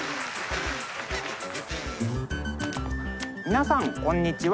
皆さんこんにちは。